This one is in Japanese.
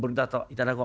頂こう。